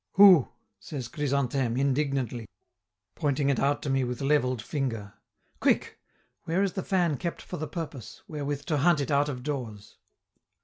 "Hou!" says Chrysantheme, indignantly, pointing it out to me with levelled finger. Quick! where is the fan kept for the purpose, wherewith to hunt it out of doors?